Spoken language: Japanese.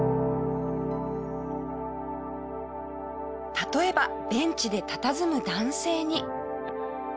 例えばベンチでたたずむ男性に。